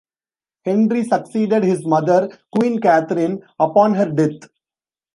Henry succeeded his mother, Queen Catherine, upon her death.